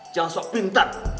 jangan sok pintar